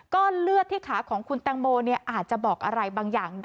ผลน้ำในตาผลลูกตาของสบอ่ะมันบอกอะไรได้บ้าง